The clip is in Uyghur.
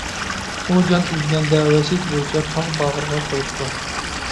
ئۇ جان ئۈزگەندە ۋەسىيىتى بويىچە تاغ باغرىغا قويۇپتۇ.